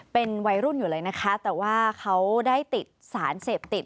เป็นวัยรุ่นอยู่เลยนะคะแต่ว่าเขาได้ติดสารเสพติด